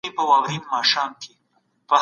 روښانه فکر ژوند نه کموي.